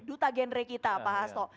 duta genre kita pak hasto